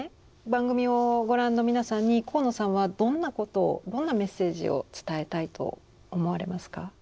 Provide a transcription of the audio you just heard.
番組をご覧の皆さんに鴻野さんはどんなことをどんなメッセージを伝えたいと思われますか？